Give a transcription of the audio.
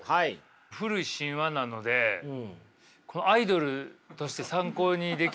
古い神話なのでアイドルとして参考にできるんでしょうか？